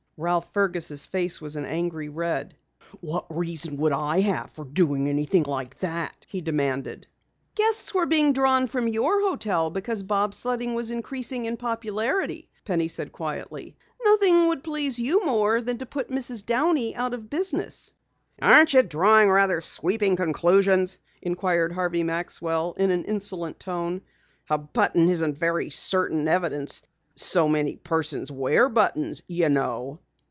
Ralph Fergus' face was an angry red. "What reason would I have for doing anything like that?" he demanded. "Guests were being drawn from your hotel because bob sledding was increasing in popularity," said Penny quietly. "Nothing would please you more than to put Mrs. Downey out of business." "Aren't you drawing rather sweeping conclusions?" inquired Harvey Maxwell in an insolent tone. "A button isn't very certain evidence. So many persons wear buttons, you know."